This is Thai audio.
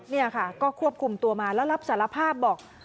นี่ค่ะก็ควบคุมตัวมาแล้วรับสารภาพบอก